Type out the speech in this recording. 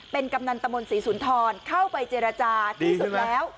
เป็นกำนันตมศรีสุนทรเข้าไปเจรจาที่สุดแล้ว